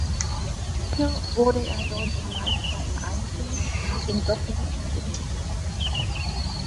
Hier wurde er deutscher Meister im Einzel, im Doppel und im Mixed.